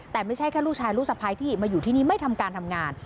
แต่ไม่ใช่แค่ลูกชายลูกสะพ้ายที่มาอยู่ที่นี่ไม่ทำการทำงาน